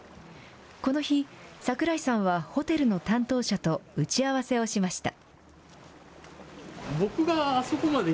この日、櫻井さんはホテルの担当者と打ち合わせをしました。